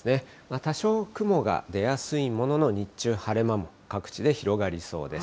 多少雲が出やすいものの、日中晴れ間も各地で広がりそうです。